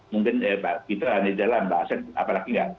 mungkin pak ridot ada di dalam pak aset apalagi nggak